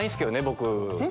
僕。